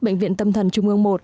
bệnh viện tâm thần trung ương một